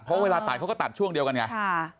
เพราะเวลาตัดเขาก็ตัดช่วงเดียวกันไง